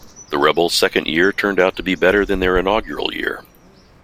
The Rebels' second year turned out to be better than their inaugural year.